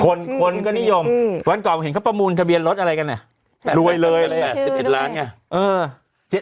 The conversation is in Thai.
คนคนก็นิยมวันก่อนเห็นเขาประมูลทะเบียนรถอะไรกันเนี้ยรวยเลยแหละร้ายหนึ่งหนึ่งเอ่อ